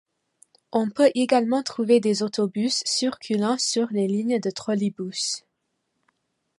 On peut également trouver des autobus circulant sur les lignes de trolleybus.